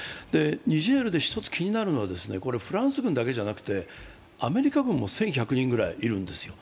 ニジェールで一つ気になるのがフランス軍だけじゃなくてアメリカ軍も１１００人ぐらいいるんですよ。